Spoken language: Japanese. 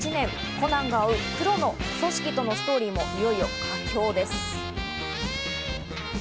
コナンが追う黒の組織とのストーリーもいよいよ佳境です。